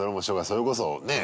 それこそねえ